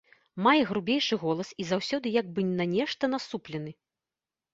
Мае грубейшы голас і заўсёды як бы на нешта насуплены.